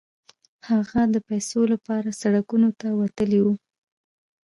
هغه د پيسو لپاره سړکونو ته وتلی و.